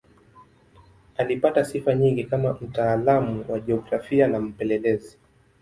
Alipata sifa nyingi kama mtaalamu wa jiografia na mpelelezi.